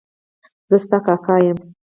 زه ستا کاکا یم.